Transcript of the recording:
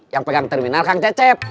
yang pegang terminal kang cecep